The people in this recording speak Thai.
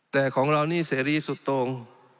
แต่ของเรานี่เสรีสุดตรง